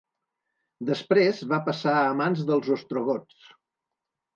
Després va passar a mans dels ostrogots.